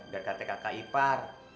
dekatnya kakak ipar